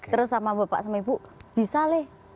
terus sama bapak sama ibu bisa deh